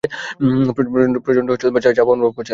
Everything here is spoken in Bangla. প্রচণ্ড চাপ অনুভব করছিলাম।